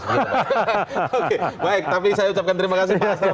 oke baik tapi saya ucapkan terima kasih pak hasto